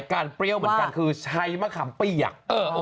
เปรี้ยวเหมือนกันคือใช้มะขามเปียก